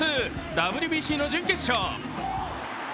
ＷＢＣの準決勝。